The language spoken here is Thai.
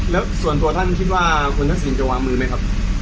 แล้วส่วนตัวท่านคิดว่าคุณทักษิณจะวางมือไหมครับ